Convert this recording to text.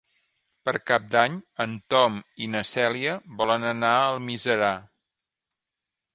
Per Cap d'Any en Tom i na Cèlia volen anar a Almiserà.